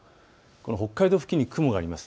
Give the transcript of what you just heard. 北海道付近に雲があります。